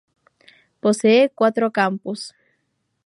Posee cuatro campus.